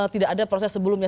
tidak ada proses sebelumnya